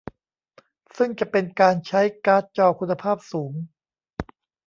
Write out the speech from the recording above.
ซึ่งจะเป็นการใช้การ์ดจอคุณภาพสูง